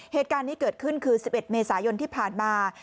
เหตุการณ์นี้เกิดขึ้นคือ๑๑เมษายนที่ผ่านมา